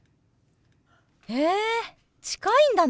へえ近いんだね。